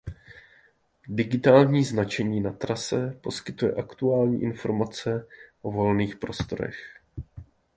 Digitální značení na trase poskytuje aktuální informace o volných prostorech.